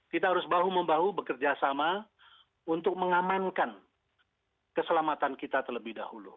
kita harus bahu membahu bekerja sama untuk mengamankan keselamatan kita terlebih dahulu